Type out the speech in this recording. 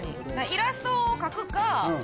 イラストを描くか。